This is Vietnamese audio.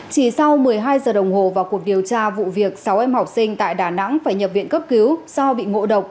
chỉ sau một mươi hai giờ đồng hồ vào cuộc điều tra vụ việc sáu em học sinh tại đà nẵng phải nhập viện cấp cứu do bị ngộ độc